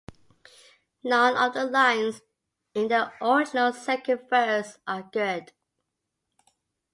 None of the lines in the original second verse are good.